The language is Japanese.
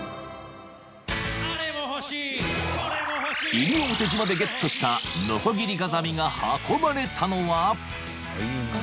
［西表島でゲットしたノコギリガザミが運ばれたのは］